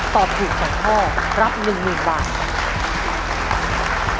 ตอบถูก๒ข้อรับ๑๐๐๐บาท